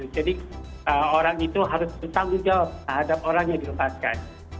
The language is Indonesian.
jadi orang itu harus bertanggung jawab terhadap orang yang dilepaskan